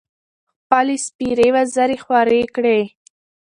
خپـلې سپـېرې وزرې خـورې کـړې.